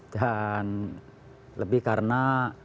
dan lebih karena